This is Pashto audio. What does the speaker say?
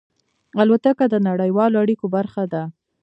الوتکه د نړیوالو اړیکو برخه ده.